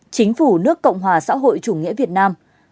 chính phủ nước cộng hòa xã hội chủ nghĩa việt nam